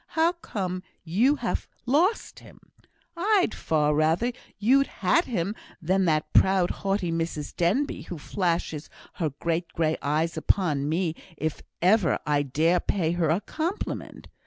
How come you to have lost him? I'd far rather you'd had him than that proud, haughty Mrs Denbigh, who flashes her great grey eyes upon me if ever I dare to pay her a compliment.